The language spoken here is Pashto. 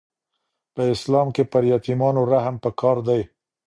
په اسلام کي پر یتیمانو رحم پکار دی.